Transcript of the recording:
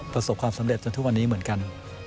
ประสบความสำเร็จจนทุกวันนี้เหมือนกัน